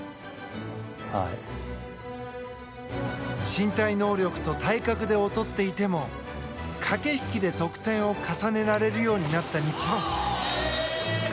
身体能力と体格で劣っていても駆け引きで、得点を重ねられるようになった日本。